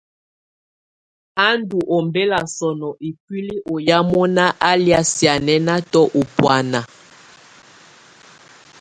Á ndù ɔmbɛla sɔnɔ ikuili ɔ́ yá mɔna á lɛ̀á sianɛnatɔ ú bɔ̀ána.